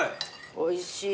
おいしい。